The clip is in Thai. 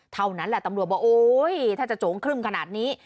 เท่านั้นแหละตำรวจบอกโอ๊ยถ้าจะโจงครึ่มขนาดนี้